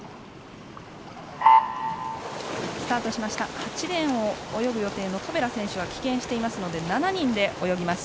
８レーンを泳ぐ予定のトベラ選手は棄権していますので７人で泳ぎます。